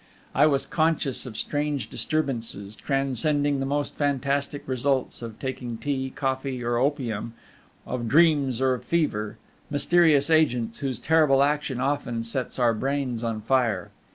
I was conscious of strange disturbances, transcending the most fantastic results of taking tea, coffee, or opium, of dreams or of fever mysterious agents, whose terrible action often sets our brains on fire.